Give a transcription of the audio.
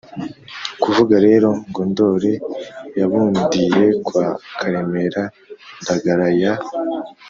kuvuga rero ngo ndori yabundiye kwa karemera ndagara ya